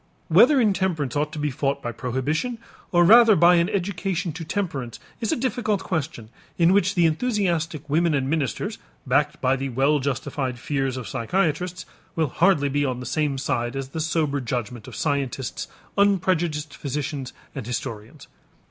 Whether intemperance ought to be fought by prohibition or rather by an education to temperance is a difficult question in which the enthusiastic women and ministers, backed by the well justified fears of psychiatrists, will hardly be on the same side as the sober judgment of scientists, unprejudiced physicians, and historians.